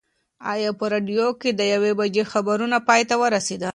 ایا په راډیو کې د یوې بجې خبرونه پای ته ورسېدل؟